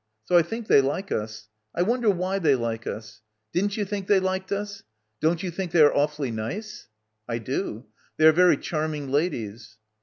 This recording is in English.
... So I think they like us. I wonder why they like us. Didn't you think they liked us? Don't you think they are awfully nice?" "I do. They are very charming ladies."